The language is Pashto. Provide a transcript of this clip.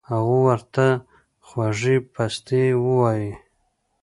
هغو ورته خوږې پستې اووائي